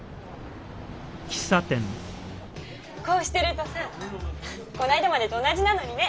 こうしてるとさこの間までと同じなのにね。